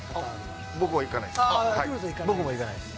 僕は行かないです。